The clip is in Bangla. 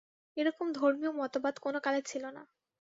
এ রকম ধর্মীয় মতবাদ কোনকালে ছিল না।